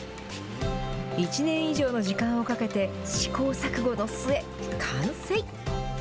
１年以上の時間をかけて、試行錯誤の末、完成。